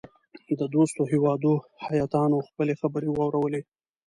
د دوستو هیوادو هیاتونو خپلي خبرې واورلې.